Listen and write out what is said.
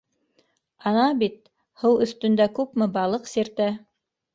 Ана бит һыу өҫтөндә күпме балыҡ сиртә.